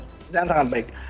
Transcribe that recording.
ini pertanyaan sangat baik